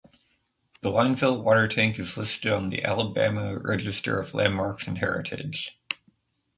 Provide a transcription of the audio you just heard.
The Lineville water tank is listed on the Alabama Register of Landmarks and Heritage.